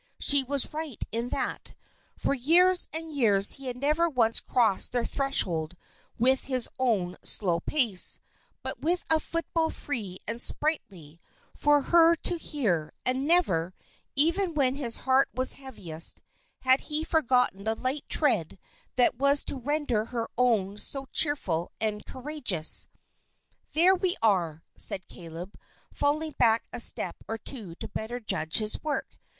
She was right in that. For years and years he had never once crossed their threshold with his own slow pace, but with a footfall free and sprightly, for her to hear; and never, even when his heart was heaviest, had he forgotten the light tread that was to render her own so cheerful and courageous. "There we are," said Caleb, falling back a step or two to better judge his work.